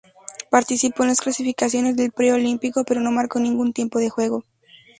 Participó en las clasificaciones del Pre-Olímpico pero no marcó ningún tiempo de juego.